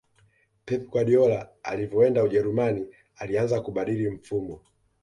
pep guardiola alivyoenda ujerumani alianza kubadili mfumo